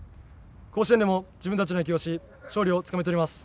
甲子園でも自分たちの野球をし勝利をつかみ取ります。